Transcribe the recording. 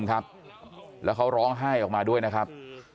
ครับแล้วเขาร้องไห้ออกมาด้วยนะครับ